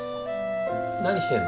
何してんの？